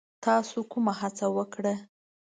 تاسو کومه هڅه وکړه؟